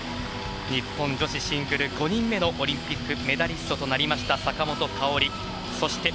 日本女子シングル５人目のオリンピックメダリストとなりました坂本花織です。